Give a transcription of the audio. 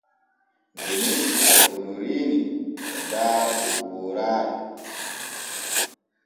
Deni e Onoriini e daara poopooraare.